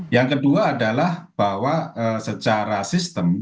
yang kedua adalah bahwa secara sistem